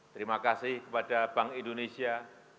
terima kasih kepada bank indonesia